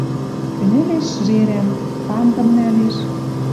Кӹньӹлеш — жерӓн. Пандым нӓлеш